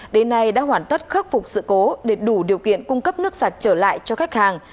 đến nay đã hoàn tất khắc phục sự cố để đủ điều kiện cung cấp nước sạch trở lại cho khách hàng